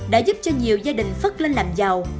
đã giúp cho nhiều gia đình phất lên làm giàu